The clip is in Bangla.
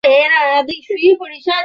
মেয়েদের স্কুলের সামনে একতলা বাড়ি।